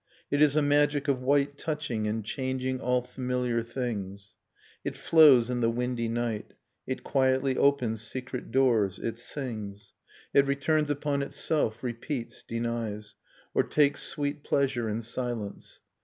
It is a magic of white Touching and changing all familiar things; White Nocturne It flows in the windy night, It quietly opens secret doors, it sings. It returns upon itself, repeats, denies. Or takes sweet pleasure in silence.